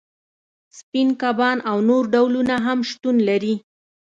سپین کبان او نور ډولونه هم شتون لري